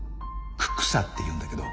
ククサっていうんだけど。